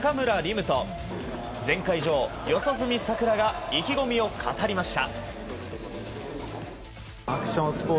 夢と前回女王、四十住さくらが意気込みを語りました。